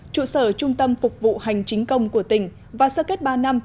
trụ sở trung tâm phục vụ hành chính công của tỉnh và sơ kết ba năm